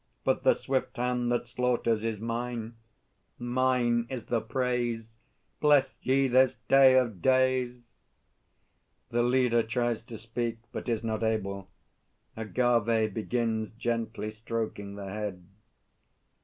But the swift hand that slaughters Is mine; mine is the praise! Bless ye this day of days! [The LEADER tries to speak, but is not able; AGAVE begins gently stroking the head.